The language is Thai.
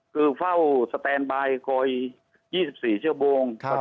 คือเฝ้าสเตนบายคอยยี่สิบสี่เชื้อโบงครับ